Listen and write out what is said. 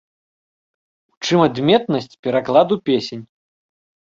У чым адметнасць перакладу песень?